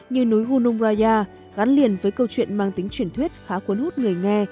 như núi hunung raya gắn liền với câu chuyện mang tính truyền thuyết khá cuốn hút người nghe